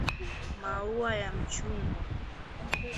maua ya mchungwa